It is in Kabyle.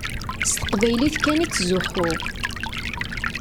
S teqbaylit kan i ttzuxxuɣ.